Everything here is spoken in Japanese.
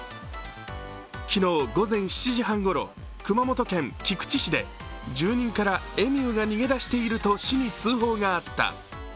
昨日午前７時半ごろ、熊本県菊池市で住人からエミューが逃げ出していると市に通報があった。